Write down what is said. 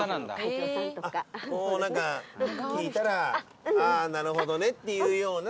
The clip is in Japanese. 聞いたらああなるほどねっていうような。